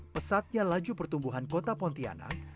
pesatnya laju pertumbuhan kota pontianak